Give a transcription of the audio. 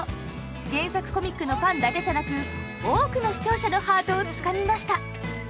原作コミックのファンだけじゃなく多くの視聴者のハートをつかみました。